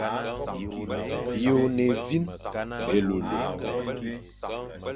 Yô e ne évîne, élurélur.